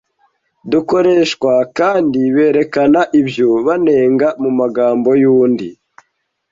Dukoreshwa kandi berekana ibyo banenga mu magambo y’undi